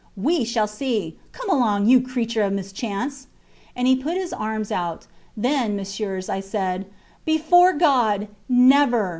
We shall see! Come along, you creature of mischance! And he put his arms out. Then, Messieurs, I said: Before God never!